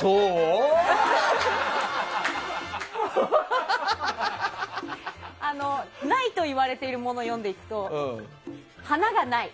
そう？ないといわれているもの読んでいくと華がない。